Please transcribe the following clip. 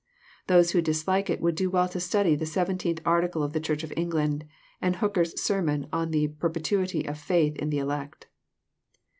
Those who dislike it would do well to study the 17th Article of the Church of England, and Hooker's sermon on the "Perpetuity of Faith in the Elect."